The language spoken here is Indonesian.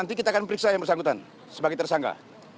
nanti kita akan periksa yang bersangkutan sebagai tersangka